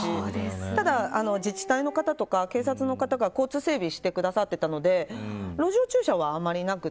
ただ自治体の方とか警察の方が交通整理してくださってたので路上駐車はあまりなくて